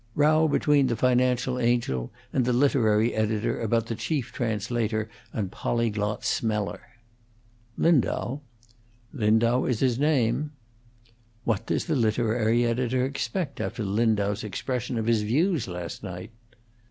"Row between the financial angel and the literary editor about the chief translator and polyglot smeller." "Lindau?" "Lindau is his name." "What does the literary editor expect after Lindau's expression of his views last night?"